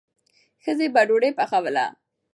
ښځې به ډوډۍ پخوله.